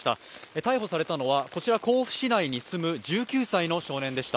逮捕されたのはこちら甲府市内に住む１９歳の少年でした。